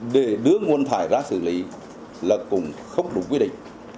để đưa nguồn thải ra xử lý là cũng không đủ quy định